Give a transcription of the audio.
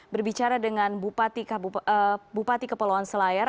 berbicara dengan bupati kepulauan selayar